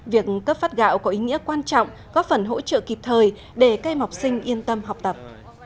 việc cấp phát gạo có ý nghĩa quan trọng góp phần hỗ trợ kịp thời để cây học sinh yên tâm học tập